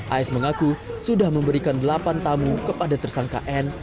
as mengaku sudah memberikan delapan tamu kepada tersangka n